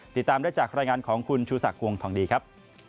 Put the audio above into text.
ติดตามได้จากรายงานของคุณชูศักดิ์วงทองดีครับ